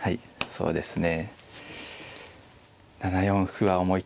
そうですね。